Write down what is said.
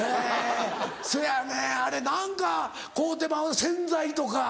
そやねんあれ何か買うてまう洗剤とか。